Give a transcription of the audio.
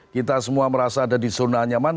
kita semua merasa ada di zona nyaman